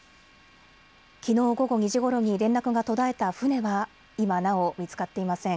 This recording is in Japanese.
きのう午後２時ごろに連絡が途絶えた船は今なお見つかっていません。